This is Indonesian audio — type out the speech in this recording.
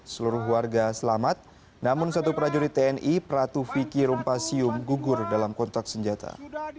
seluruh warga selamat namun satu prajurit tni pratu vicky rumpasium gugur dalam kontak senjata